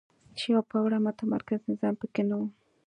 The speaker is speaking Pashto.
چې یو پیاوړی متمرکز نظام په کې نه وو.